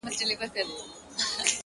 په دې پردي وطن كي ـ